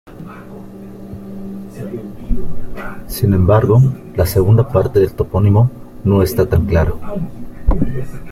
Sin embargo, la segunda parte del topónimo no está tan clara.